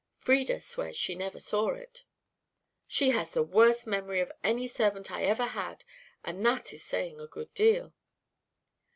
"Frieda swears she never saw it." "She has the worst memory of any servant I ever had, and that is saying a good deal."